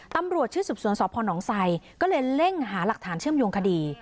ตำรวจชุดสืบสวนสพนไซก็เลยเร่งหาหลักฐานเชื่อมโยงคดี